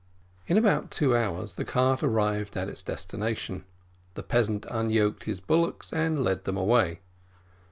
In about two hours, the cart arrived at its destination the peasant unyoked his bullocks and led them away.